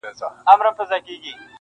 د پاچا په انتخاب کي سر ګردان وه-